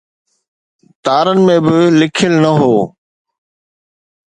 تارن ۾ به لکيل نه هو.